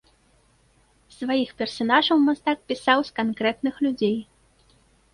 Сваіх персанажаў мастак пісаў з канкрэтных людзей.